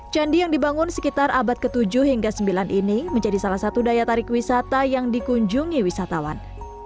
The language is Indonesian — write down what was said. candi yang dibangun sekitar abad ke tujuh hingga sembilan ini menjadi salah satu daya tarik wisata yang dikunjungi wisatawan